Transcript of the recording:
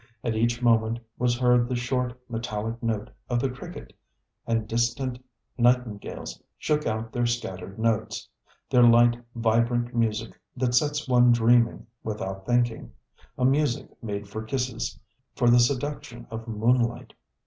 At each moment was heard the short, metallic note of the cricket, and distant nightingales shook out their scattered notesŌĆötheir light, vibrant music that sets one dreaming, without thinking, a music made for kisses, for the seduction of moonlight.